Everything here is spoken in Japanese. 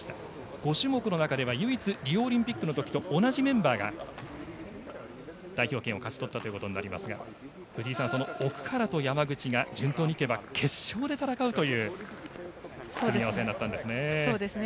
５種目の中では唯一、リオオリンピックの時と同じメンバーが代表権を勝ち取ったということになりますが藤井さん、奥原と山口が順当に行けば決勝で戦うという組み合わせになったんですね。